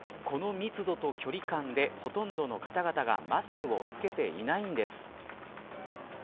この密度と距離感でほとんどの方々がマスクを着けていないんです。